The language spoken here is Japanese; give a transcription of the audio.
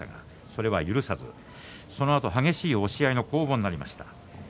それを許さず激しい押し合いの攻防になりました。